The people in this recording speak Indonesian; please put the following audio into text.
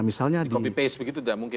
misalnya di copy paste begitu tidak mungkin